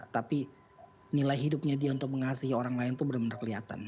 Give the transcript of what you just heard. tapi nilai hidupnya dia untuk mengasihi orang lain itu benar benar kelihatan